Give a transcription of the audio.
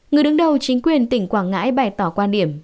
người đứng đầu chính quyền tỉnh quảng ngãi bày tỏ quan điểm